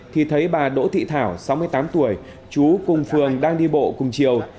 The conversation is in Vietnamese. thì thấy bà đỗ thị thảo sáu mươi tám tuổi chú cùng phường đang đi bộ cùng chiều